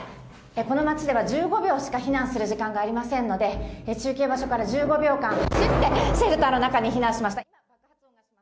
この町では１５秒しか避難する時間がありませんので、中継場所から１５秒間、走ってシェルターの中に避難しました。